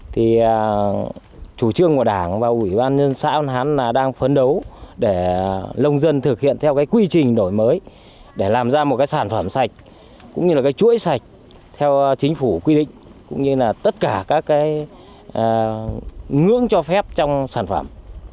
thì chủ trương của đảng và ủy ban nhân xã an hán là đang phấn đấu để nông dân thực hiện theo cái quy trình đổi mới để làm ra một cái sản phẩm sạch cũng như là cái chuỗi sạch theo chính phủ quy định cũng như là tất cả các cái ngưỡng cho phép trong sản phẩm